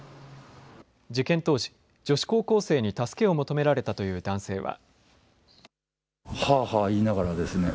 事件当時、女子高校生に助けを求められたという男性は。